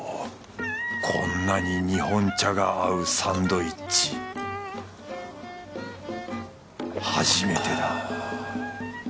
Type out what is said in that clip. こんなに日本茶が合うサンドイッチ初めてだ